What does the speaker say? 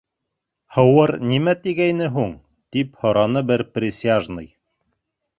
—Һыуыр нимә тигәйне һуң? —тип һораны бер присяжный.